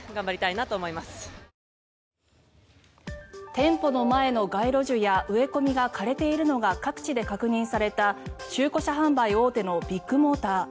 店舗の前の街路樹や植え込みが枯れているのが各地で確認された中古車販売大手のビッグモーター。